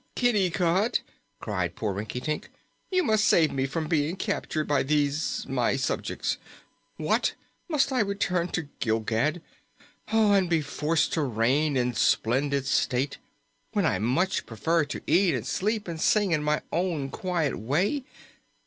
"Kitticut," cried poor Rinkitink, "you must save me from being captured by these, my subjects. What! must I return to Gilgad and be forced to reign in splendid state when I much prefer to eat and sleep and sing in my own quiet way?